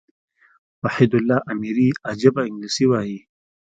وحيدالله اميري عجبه انګلېسي وايي.